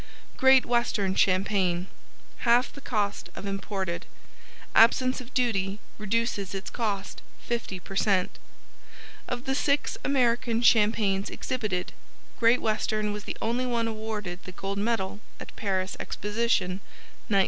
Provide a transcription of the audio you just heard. GREAT WESTERN CHAMPAGNE Half the Cost of Imported Absence of duty reduces its cost 50 per cent. Of the six American Champagnes exhibited, Great Western was the only one awarded the gold medal at Paris exposition, 1900.